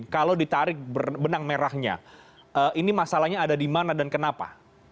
kalau ditarik benang merahnya ini masalahnya ada di mana dan kenapa